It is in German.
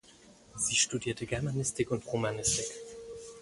Sie studierte Germanistik und Romanistik.